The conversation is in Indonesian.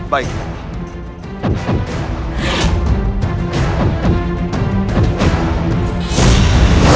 baik ibu unda